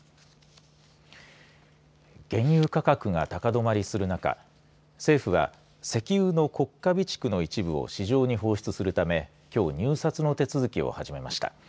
原油価格が高止まりする中政府は石油の国家備蓄の一部を市場に放出するためきょう入札の手続きを始めました。